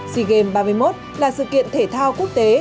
sea games ba mươi một là sự kiện thể thao quốc tế